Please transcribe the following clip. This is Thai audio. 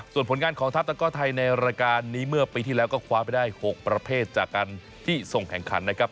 ส่วนผลงานของทัพตะก้อไทยในรายการนี้เมื่อปีที่แล้วก็คว้าไปได้๖ประเภทจากการที่ส่งแข่งขันนะครับ